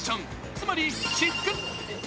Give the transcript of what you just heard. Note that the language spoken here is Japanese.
つまり私服。